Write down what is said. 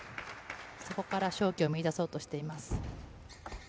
そこから勝機を見いだそうとしています。